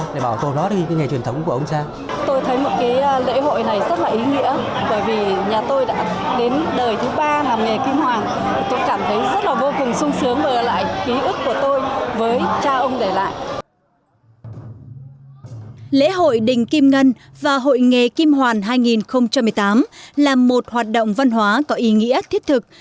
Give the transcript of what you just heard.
lễ hội đình kim ngân và hội nghề kim hoàn hai nghìn một mươi tám là một hoạt động văn hóa có ý nghĩa thiết thực